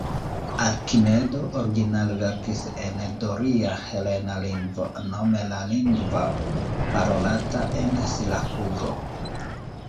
Arkimedo originale verkis en doria helena lingvo, nome la lingvo parolata en Sirakuzo.